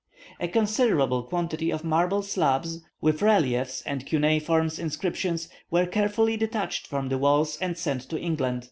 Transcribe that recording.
A considerable quantity of marble slabs, with reliefs and cuneiform inscriptions, were carefully detached from the walls and sent to England.